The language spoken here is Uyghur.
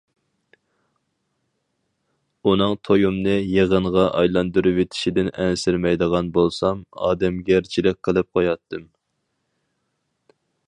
ئۇنىڭ تويۇمنى يېغىنغا ئايلاندۇرۇۋېتىشىدىن ئەنسىرىمەيدىغان بولسام، ئادەمگەرچىلىك قىلىپ قوياتتىم.